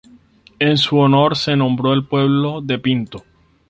En su honor se nombró al pueblo de Pinto.